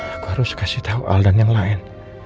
aku harus kasih tahu al dan yang lain